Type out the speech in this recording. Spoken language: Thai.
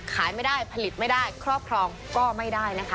ขายไม่ได้ผลิตไม่ได้ครอบครองก็ไม่ได้นะคะ